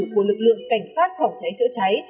của lực lượng cảnh sát phòng cháy chữa cháy